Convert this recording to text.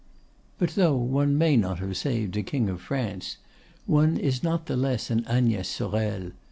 But though one may not have saved a King of France, one is not the less an Agnès Sorel.